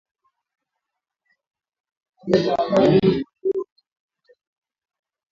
Wanyama wote wanaweza kuathiriwa na ugonjwa wa ukurutu